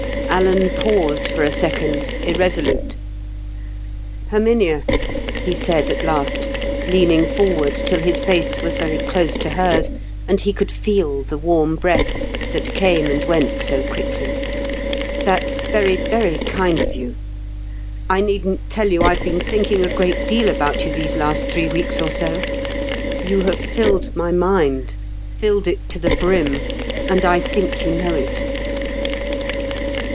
Alan paused for a second, irresolute. "Herminia," he said at last, leaning forward till his face was very close to hers, and he could feel the warm breath that came and went so quickly; "that's very, very kind of you. I needn't tell you I've been thinking a great deal about you these last three weeks or so. You have filled my mind; filled it to the brim, and I think you know it."